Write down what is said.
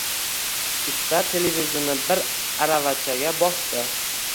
Usta televizorni bir aravachaga bosdi.